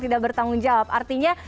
tidak bertanggung jawab artinya